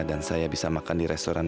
mereka semua orang